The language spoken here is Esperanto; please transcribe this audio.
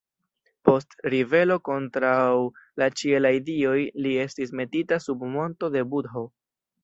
Post ribelo kontraŭ la ĉielaj dioj li estis metita sub monto de Budho.